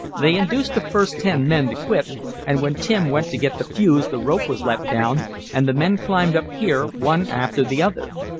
They induced the first ten men to quit, and when Tim went to get the fuse the rope was let down, and the men climbed up here, one after the other.